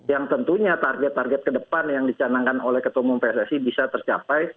yang tentunya target target kedepan yang dicanangkan oleh ketumum pssi bisa tercapai